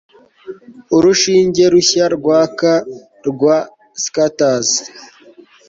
urushinge rushya rwaka rwa squatters